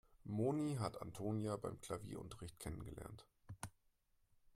Moni hat Antonia beim Klavierunterricht kennengelernt.